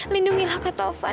lindungilah kak taufan